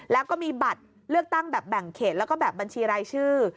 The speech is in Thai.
แล้วก็มีบัตรเลือกตั้งแบบแบ่งเขตแล้วก็แบบบัญชีรายชื่อ